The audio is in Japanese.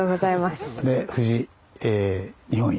で藤日本一。